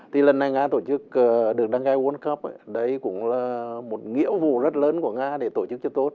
thì lần này nga tổ chức được đăng cai world cup đấy cũng là một nghĩa vụ rất lớn của nga để tổ chức cho tốt